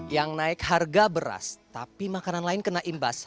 yang naik harga beras tapi makanan lain kena imbas